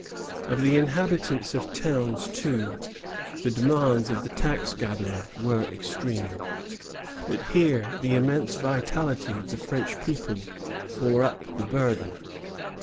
Of the inhabitants of towns, too, the demands of the tax gatherer were extreme; but here the immense vitality of the French people bore up the burden.